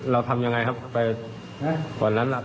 เราทำอย่างไรครับ